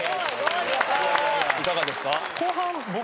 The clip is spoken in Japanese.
いかがですか？